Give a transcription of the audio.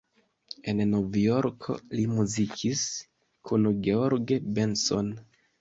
En Novjorko li muzikis kun George Benson.